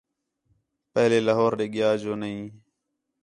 پہلے لاہور ݙے ڳِیا جو نہیں